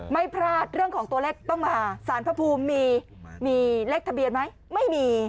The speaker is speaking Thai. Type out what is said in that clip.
ไม่พลาดเรื่องของตัวเลขต้องมาสารพระภูมิมีเลขทะเบียนไหมไม่มี